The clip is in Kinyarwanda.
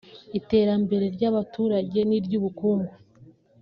iterambere ry’abaturage n’iry’ubukungu